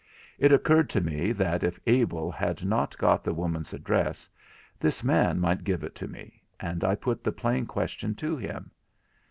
It occurred to me that if Abel had not got the woman's address, this man might give it to me, and I put the plain question to him.